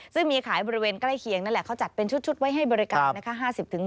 ซึ่งมีขายบริเวณใกล้เคียงนั่นแหละเขาจัดเป็นชุดไว้ให้บริการนะคะ